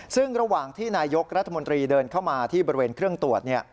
ซึ่งระหว่างที่นายกรัฐมนตรีเดินเข้ามาที่บริเวณเครื่องตรวจ